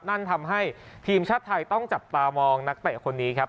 นั่นทำให้ทีมชาติไทยต้องจับตามองนักเตะคนนี้ครับ